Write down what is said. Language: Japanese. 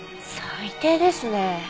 最低ですね。